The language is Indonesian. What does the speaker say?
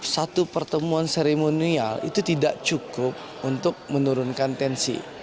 satu pertemuan seremonial itu tidak cukup untuk menurunkan tensi